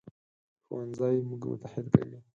ښوونځی موږ متحد کوي